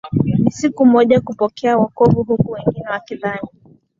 ni siku moja kupokea wokovu huku wengi wakidhani